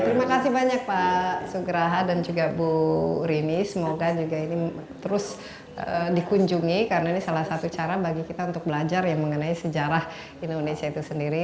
terima kasih banyak pak sugraha dan juga bu rini semoga juga ini terus dikunjungi karena ini salah satu cara bagi kita untuk belajar ya mengenai sejarah indonesia itu sendiri